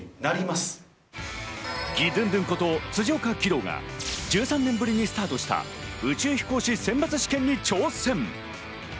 ギドゥンドゥンこと辻岡義堂が１３年ぶりにスタートした宇宙飛行士選抜試験に挑戦。